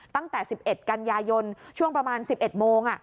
ตั้งแต่สิบเอ็ดกันยายนช่วงประมาณสิบเอ็ดโมงอ่ะ